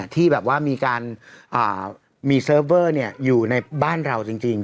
ที่แบบว่ามีการมีเซิร์ฟเวอร์อยู่ในบ้านเราจริง